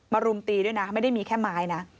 รุมตีด้วยนะไม่ได้มีแค่ไม้นะ